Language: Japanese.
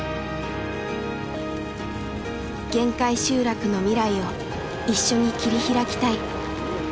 限界集落の未来を一緒に切り開きたい。